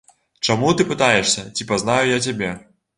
Чаму ты пытаешся, ці пазнаю я цябе?